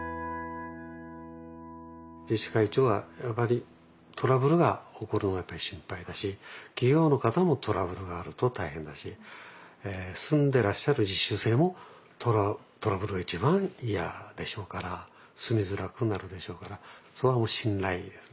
自治会長はやはりトラブルが起こるのが心配だし企業の方もトラブルがあると大変だし住んでらっしゃる実習生もトラブルが一番嫌でしょうから住みづらくなるでしょうからそこは信頼ですね。